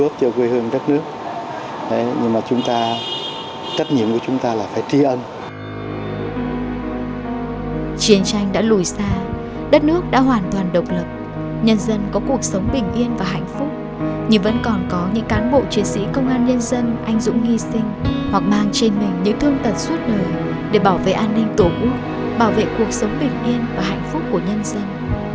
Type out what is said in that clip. chiến tranh đã lùi xa đất nước đã hoàn toàn độc lập nhân dân có cuộc sống bình yên và hạnh phúc nhưng vẫn còn có những cán bộ chiến sĩ công an nhân dân anh dũng nghi sinh hoặc mang trên mình những thương tật suốt đời để bảo vệ an ninh tổ quốc bảo vệ cuộc sống bình yên và hạnh phúc của nhân dân